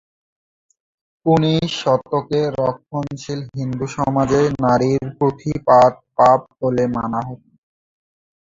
উনিশ শতকের রক্ষণশীল হিন্দু সমাজে নারীর পুঁথি পাঠ পাপ বলে মানা হত।